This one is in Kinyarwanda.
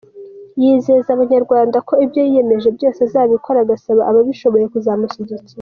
Yizeza Abanyarwanda ko ibyo yiyemeje byose azabikora, agasaba ababishoboye kuzamushyigikira.